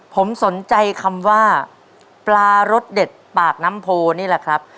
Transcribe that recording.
ผมสนใจคำว่าปลารสเด็ดปากน้ำโพนี่แหละครับ